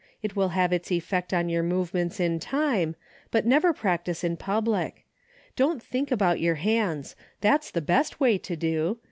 It will have its effect on your movements in time, but never practice in public. Don't think about your hands. That's the best way to do.